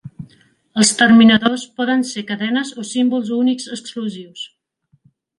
Els terminadors poden ser cadenes o símbols únics exclusius.